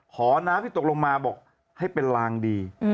หอน้ำที่ตกลงมาบอกให้เป็นลางดี